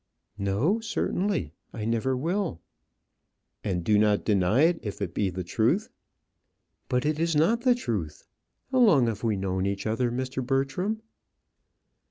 "No; certainly, I never will." "And do not deny it if it be the truth." "But it is not the truth. How long have we known each other, Mr. Bertram?"